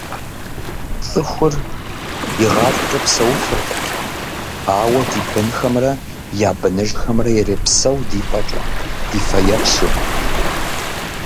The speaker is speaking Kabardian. Цӏыхур игъащӏэкӏэ псэуфыркъым, ауэ ди бынхэмрэ я быныжхэмрэ ирепсэу ди пӏэкӏэ, ди фэеплъу…